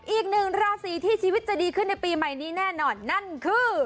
อีกหนึ่งราศีที่ชีวิตจะดีขึ้นในปีใหม่นี้แน่นอนนั่นคือ